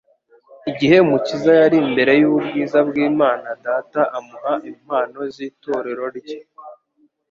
Igihe Umukiza yari imbere y'ubwiza bw'Imana Data amuha impano z'itorero rye,